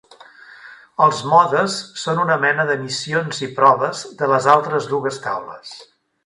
Els modes son una mena de missions i proves de les altres dues taules.